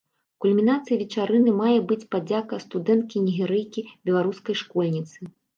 Кульмінацыяй вечарыны мае быць падзяка студэнткі-нігерыйкі беларускай школьніцы.